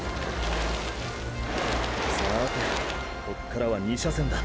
さてこっからは２車線だ。